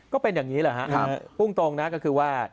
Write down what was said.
ก็เป็นอย่างนี้แหละครับภูมิตรงก็คือว่า